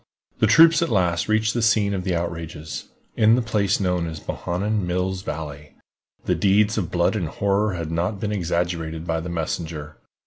The troops at last reached the scene of the outrages, in the place known as "Bohannan Mills Valley." The deeds of blood and horror had not been exaggerated by the messenger.